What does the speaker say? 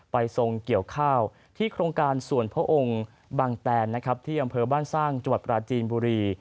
ทรงเกี่ยวข้าวที่โครงการส่วนพระองค์บางแตนนะครับที่อำเภอบ้านสร้างจังหวัดปราจีนบุรี